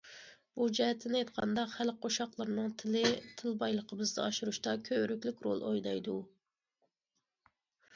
بۇ جەھەتتىن ئېيتقاندا، خەلق قوشاقلىرىنىڭ تىلى تىل بايلىقىمىزنى ئاشۇرۇشتا كۆۋرۈكلۈك رول ئوينايدۇ.